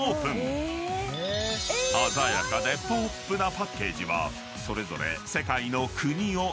［鮮やかでポップなパッケージはそれぞれ］